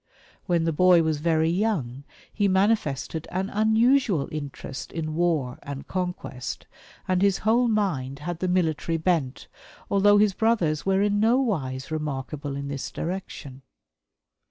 When the boy was very young he manifested an unusual interest in war and conquest, and his whole mind had the military bent, although his brothers were in no wise remarkable in this direction.